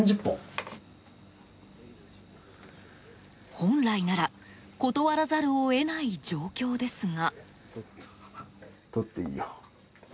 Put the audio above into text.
本来なら、断らざるを得ない状況ですが。